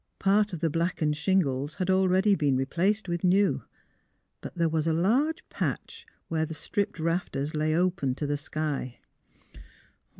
Part of the blackened shingles had al ready been replaced with new; but there was a large patch where the stripped rafters lay open to the sky.